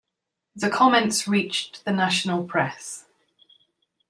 The comments reached the national press.